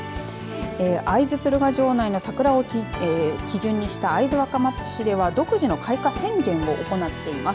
会津鶴ヶ城内の桜を基準にした会津若松市では独自の開花宣言行っています。